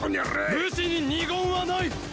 武士に二言はない。